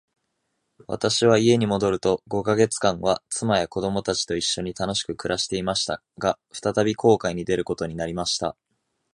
私は家に戻ると五ヵ月間は、妻や子供たちと一しょに楽しく暮していました。が、再び航海に出ることになりました。